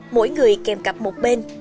mỗi người kèm cặp một bên